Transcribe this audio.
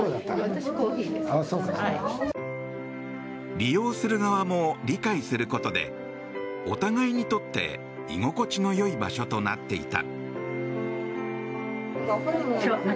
利用する側も理解することでお互いにとって居心地のよい場所となっていた。